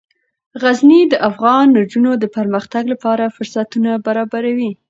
غزني د افغان نجونو د پرمختګ لپاره فرصتونه برابروي.